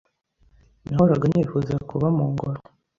Nahoraga nifuza kuba mu ngoro.